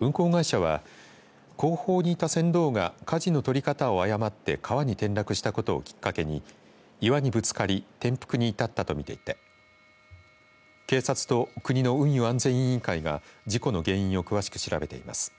運航会社は後方にいた船頭がかじの取り方を誤って川に転落したことをきっかけに岩にぶつかり転覆に至ったとみていて警察と国の運輸安全委員会が事故の原因を詳しく調べています。